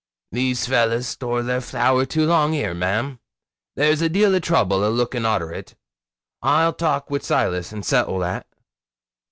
'These fellahs stores their flour too long 'ere, ma'am. There's a deal o' trouble a looking arter it. I'll talk wi' Silas, and settle that.'